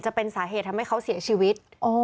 จะเป็นสาเหตุทำให้เขาเสียชีวิต